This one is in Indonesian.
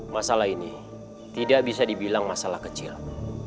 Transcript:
masalah ini tidak bisa dibilang masalah kecil